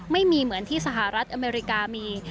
ไม่มีเหมือนที่สหรัฐอเมริกามี